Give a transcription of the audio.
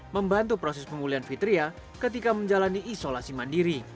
membantu proses pemulihan fitria ketika menjalani isolasi mandiri